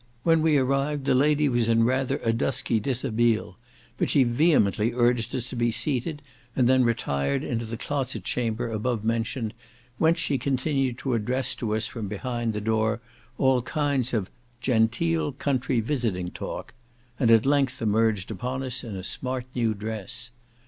When we arrived the lady was in rather a dusky dishabille, but she vehemently urged us to be seated, and then retired into the closet chamber above mentioned, whence she continued to address to us from behind the door, all kinds of "genteel country visiting talk," and at length emerged upon us in a smart new dress.